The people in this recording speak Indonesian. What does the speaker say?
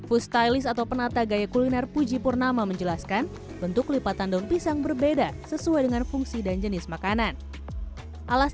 untuk tapi ketika heidi sudah mencoba untuk menggorengnya dan sayastofer